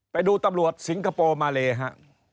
ไปดูตำรวจสิงคโปร์มาเลฮะ